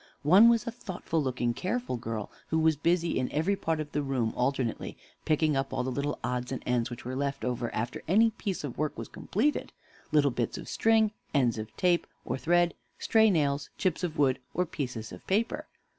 One was a thoughtful looking, careful girl, who was busy in every part of the room alternately, picking up all the little odds and ends which were left after any piece of work was completed little bits of string, ends of tape or thread, stray nails, chips of wood, or pieces of paper.